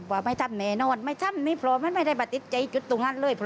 ว่าไม่ทำเนี่ยนาว่าไม่ทำมันไม่ได้ปฏิษฐ์ใจจุดตรงนั้นเลย